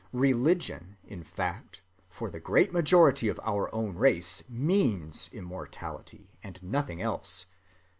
Religion, in fact, for the great majority of our own race means immortality, and nothing else.